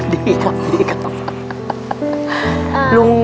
ดีครับ